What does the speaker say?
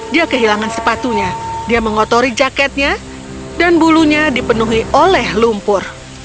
dia kehilangan sepatunya dia mengotori jaketnya dan bulunya dipenuhi oleh lumpur